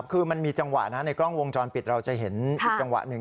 คือมันมีจังหวะนะในกล้องวงจรปิดเราจะเห็นอีกจังหวะหนึ่ง